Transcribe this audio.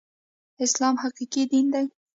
اسلام حقيقي دين دی